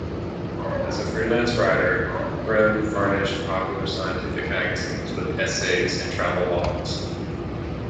As a freelance writer, Brehm furnished popular-scientific magazines with essays and travelogues.